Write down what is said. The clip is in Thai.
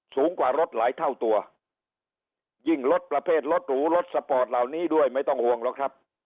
สูงกว่ารถหลายเท่าตัวยิ่งรถประเภทรถหรูรถสปอร์ตเหล่านี้ด้วยไม่ต้องห่วงหรอกครับ